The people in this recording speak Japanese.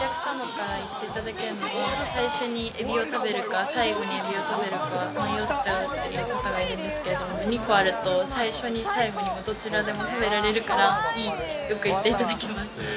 最初にエビを食べるか、最後にエビを食べるか迷っちゃうっていう方がいらっしゃるんですけど、２個あると、最初にも最後にも、どちらでも食べられるからいいってよく言っていただけます。